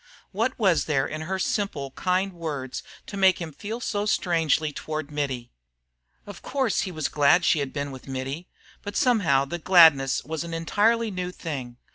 What was there in her simple, kind words to make him feel so strangely toward Mittie? Of course he was glad she had been with Mittie, but somehow the gladness was an entirely new thing.